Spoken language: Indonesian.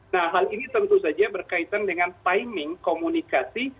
nah hal ini tentu saja berkaitan dengan timing komunikasi